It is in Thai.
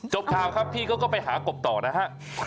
จบทางครับพี่ก็ไปหากบต่อนะฮะ